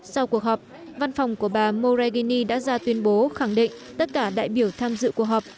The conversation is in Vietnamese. sau cuộc họp văn phòng của bà moragini đã ra tuyên bố khẳng định tất cả đại biểu tham dự cuộc họp